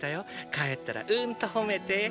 帰ったらうんと褒めて！